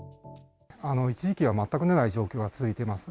一時期は全く出ない状況が続いてます。